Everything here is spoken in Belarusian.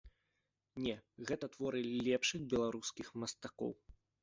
Не, гэта творы лепшых беларускіх мастакоў.